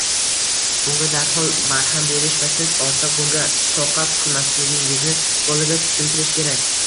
Bunga darhol barham berish va siz ortiq bunga toqat qilmasligingizni bolaga tushuntirish kerak.